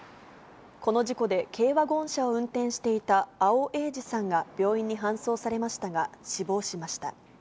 この事故で、軽ワゴン車を運転していた阿尾栄治さんが病院に搬送されましたが、死亡しました。